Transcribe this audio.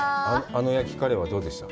あの焼きカレーはどうでした？